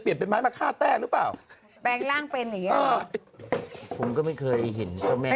พลิกต๊อกเต็มเสนอหมดเลยพลิกต๊อกเต็มเสนอหมดเลย